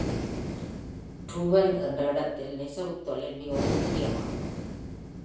டூஃபன் என்ற இடத்தில் நெசவுத் தொழில் மிகவும் முக்கியமாகும்.